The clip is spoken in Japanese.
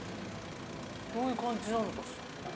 どういう感じなのかしらね。